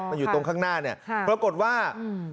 มันอยู่ตรงข้างหน้าเนี้ยครับปรากฏว่าอืม